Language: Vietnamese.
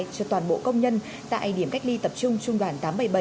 cho toàn bộ công nhân tại điểm cách ly tập trung trung đoàn tám trăm bảy mươi bảy